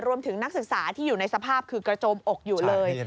นักศึกษาที่อยู่ในสภาพคือกระโจมอกอยู่เลย